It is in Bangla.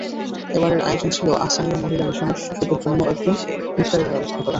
এবারের আয়োজন ছিল আহছানিয়া মহিলা মিশনের শিশুদের জন্য একদিন ইফতারের ব্যবস্থা করা।